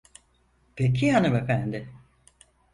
Peki hanımefendi.